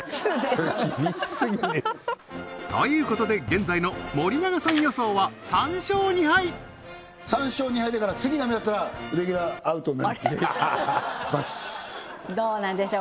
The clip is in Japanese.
厳しすぎるということで現在の森永さん予想は３勝２敗だから次ダメだったらレギュラーアウトになります×どうなんでしょうか